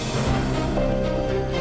tengok gaisa sini